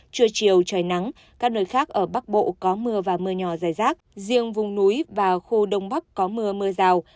trưa chiều trời nắng các nơi khác ở bắc bộ có mưa và mưa nhỏ dài rác riêng vùng núi và khu đông bắc có mưa mưa rào